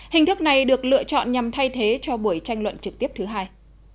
hình thức này được lựa chọn nhằm thay thế cho buổi tranh luận trực tiếp thứ hai